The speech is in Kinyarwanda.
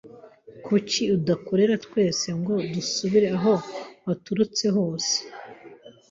Kuki utadukorera twese ngo dusubire aho waturutse hose?